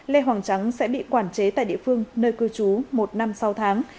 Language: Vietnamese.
lê hoàng trắng sẽ bị quản chế tại địa phương nơi cư trú một năm sáu tháng